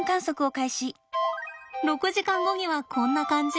６時間後にはこんな感じ。